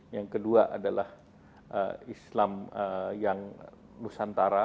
yang kedua adalah islam yang nusantara